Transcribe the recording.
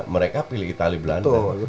mereka pilih itali belanda